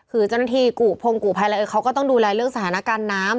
คือเจ้าหน้าที่พงกู่ภัยอะไรเอ่ยเขาก็ต้องดูแลเรื่องสถานการณ์น้ำ